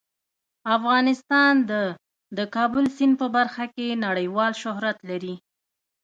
افغانستان د د کابل سیند په برخه کې نړیوال شهرت لري.